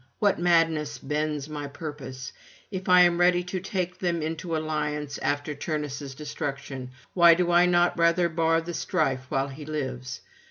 what madness bends my purpose? if I am ready to take them into alliance after Turnus' destruction, why do I not rather bar the strife while he lives?